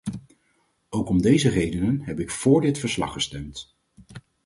Ook om deze redenen heb ik vóór dit verslag gestemd.